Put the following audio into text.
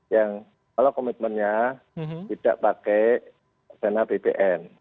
yang kalau komitmennya tidak pakai dana bpn